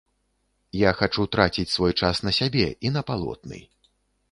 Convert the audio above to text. Я хачу траціць свой час на сябе і на палотны.